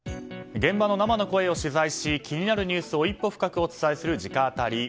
現場の生の声を取材し気になるニュースを一歩深くお伝えする直アタリ。